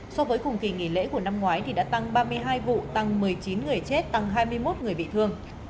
so với cùng kỳ nghỉ lễ của năm ngoái đã tăng ba mươi hai vụ tăng một mươi chín người chết tăng hai mươi một người bị thương